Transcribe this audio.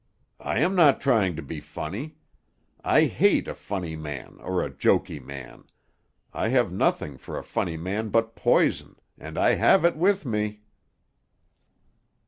"I am not trying to be funny. I hate a funny man, or a joky man. I have nothing for a funny man but poison, and I have it with me."